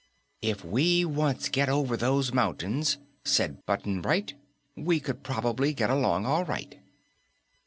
"If we once get over these mountains," said Button Bright, "we could probably get along all right."